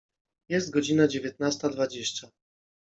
Jest godzina dziewiętnasta dwadzieścia.